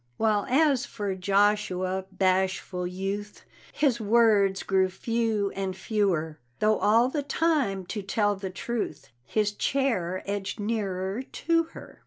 While, as for Joshua, bashful youth, His words grew few and fewer; Though all the time, to tell the truth, His chair edged nearer to her.